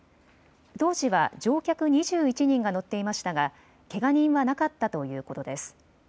当時は乗客２１人が乗っていましたがけが人はなかったということです。